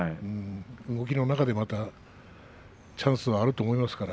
動きの中でまたチャンスがあると思いますから。